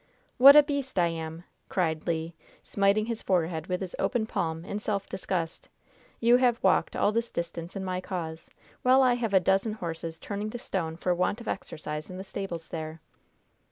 "What a beast I am!" cried Le, smiting his forehead with his open palm in self disgust. "You have walked all this distance in my cause, while I have a dozen horses turning to stone for want of exercise in the stables there."